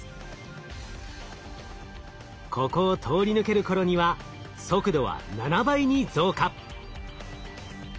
ここを通り抜ける頃には速度は７倍に増加。